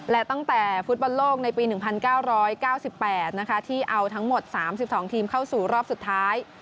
และตั้งแต่ฟุตบันโลกในปีหนึ่งพันเก้าร้อยเก้าสิบแปดนะคะที่เอาทั้งหมดสามสิบสองทีมเข้าสู่รอบสุดท้าย